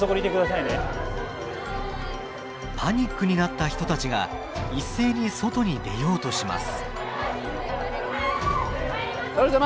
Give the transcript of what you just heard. パニックになった人たちが一斉に外に出ようとします。